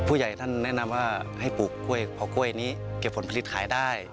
ผู้ใหญ่ท่านแนะนำว่าให้ปลูกกล้วยเพราะกล้วยนี้เก็บผลผลิตขายได้